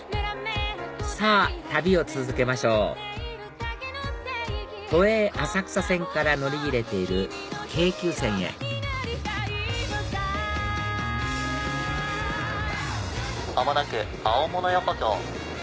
さぁ旅を続けましょう都営浅草線から乗り入れている京急線へ間もなく青物横丁。